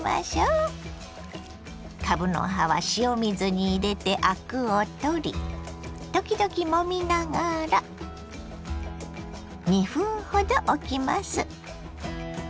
かぶの葉は塩水に入れてアクを取り時々もみながら２分ほどおきます。